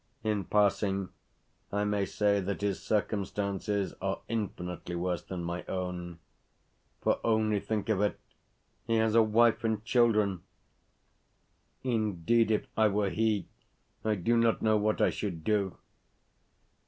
In passing I may say that his circumstances are infinitely worse than my own; for, only think of it, he has a wife and children! Indeed, if I were he, I do not know what I should do.